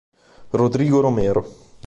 Rodrigo Romero